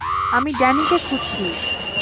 আমি ড্যানিকে খুঁজছি।